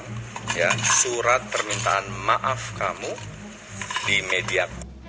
berikan surat permintaan maaf kamu di media